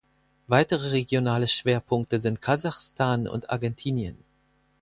Weitere regionale Schwerpunkte sind Kasachstan und Argentinien.